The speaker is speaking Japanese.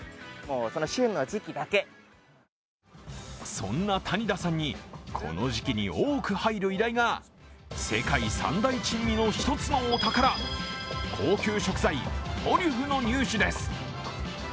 そんな谷田さんに、この時期に多く入る依頼が世界三大珍味の１つのお宝、高級食材トリュフの入手です。